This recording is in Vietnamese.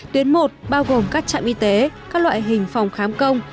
tuyến một bao gồm các trạm y tế các loại hình phòng khám công